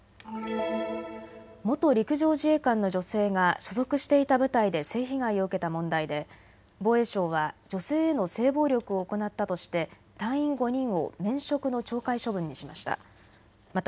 元陸上自衛官の女性が所属していた部隊で性被害を受けた問題で防衛省は女性への性暴力を行ったとして隊員５人を免職の懲戒処分にしました。